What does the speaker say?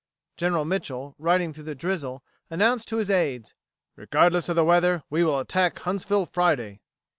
General Mitchel, riding through the drizzle, announced to his aides: "Regardless of the weather, we will attack Huntsville Friday."